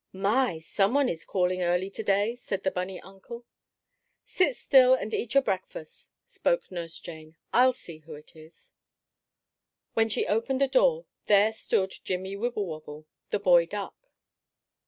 "My! Some one is calling early to day!" said the bunny uncle. "Sit still and eat your breakfast," spoke Nurse Jane. "I'll see who it is." When she opened the door there stood Jimmie Wibblewobble, the boy duck.